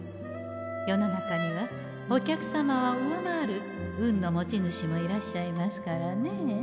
世の中にはお客様を上回る運の持ち主もいらっしゃいますからねえ。